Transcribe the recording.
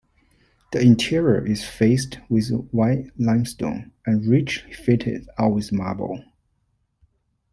The interior is faced with white limestone, and richly fitted out with marble.